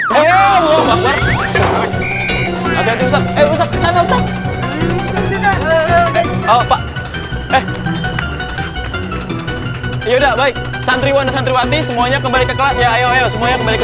ya udah baik santriwana santriwati semuanya kembali ke kelas ya ayo semuanya kembali ke